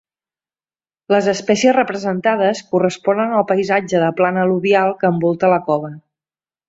Les espècies representades corresponen al paisatge de plana al·luvial que envolta la cova.